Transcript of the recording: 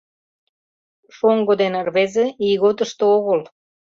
Шоҥго ден рвезе — ийготышто огыл.